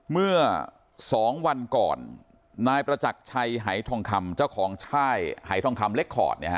เมื่อสองวันก่อนนายประจักรชัยหายทองคำเจ้าของช่ายหายทองคำเล็กคอร์ด